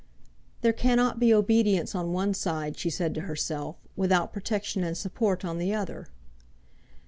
"There cannot be obedience on one side," she said to herself, "without protection and support on the other."